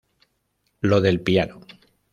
Lo del piano.